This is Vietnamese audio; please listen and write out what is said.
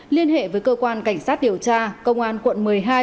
liên hệ với cơ quan cảnh sát điều tra công an quận một mươi hai